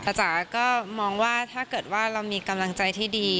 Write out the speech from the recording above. จ๋าก็มองว่าถ้าเกิดว่าเรามีกำลังใจที่ดี